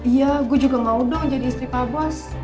iya gue juga mau dong jadi istri pak bos